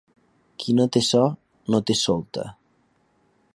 Qui no té so, no té solta.